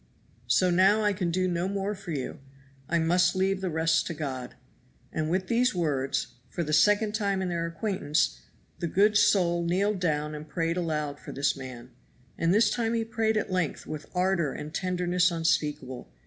"So now I can do no more for you I must leave the rest to God." And with these words, for the second time in their acquaintance, the good soul kneeled down and prayed aloud for this man. And this time he prayed at length with ardor and tenderness unspeakable.